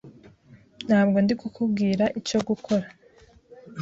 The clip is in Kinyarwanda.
Ntabwo ndi kukubwira icyo gukora